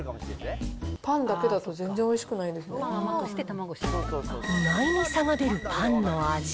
パンだけだと全然おいしくないで意外に差が出るパンの味。